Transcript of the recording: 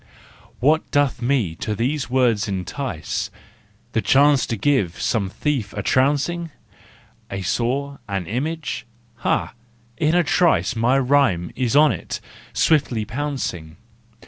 What doth me to these woods entice ? The chance to give some thief a trouncing A saw, an image? Ha, in a trice My rhyme is on it, swiftly pouncing!